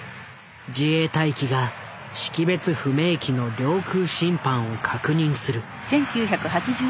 自衛隊機が識別不明機の領空侵犯を確認する。